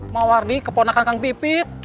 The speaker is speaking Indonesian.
mawardi keponakan kang pipit